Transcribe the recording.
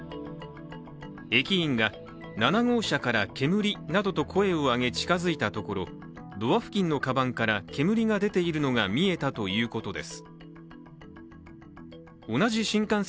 駅員が「７号車から煙」などと声を上げ近づいたところ、ドア付近のかばんから煙が出ているのが見えたということです。